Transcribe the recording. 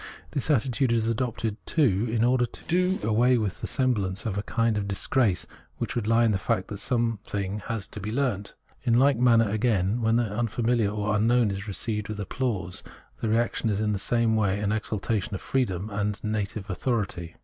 This attitude is adopted, too, in order to do away with the sem blance of a kind of disgrace which would he in the fact that something has had to be learnt. In like manner, again, when the unfamihar or unknown is received with applause, the reaction is in the same way an exaltation of freedom and native authority.